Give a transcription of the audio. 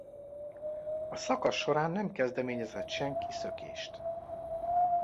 A szakasz során nem kezdeményezett senki szökést.